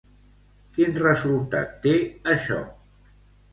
Quin resultat té això?